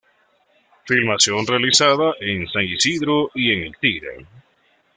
Filmación realizada en San Isidro y en el Tigre.